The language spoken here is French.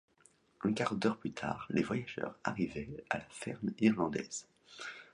Un quart d’heure plus tard, les voyageurs arrivaient à la ferme irlandaise.